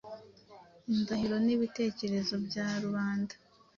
indahiro n’ibitekerezo bya rubanda,